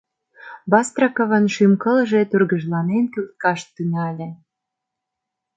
Бастраковын шӱм-кылже тургыжланен кӱлткаш тӱҥале.